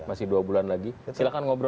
masih dua bulan lagi silahkan ngobrol